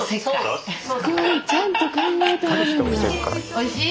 おいしい？